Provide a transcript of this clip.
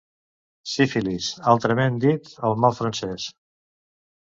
Sífilis, altrament dit el mal francès.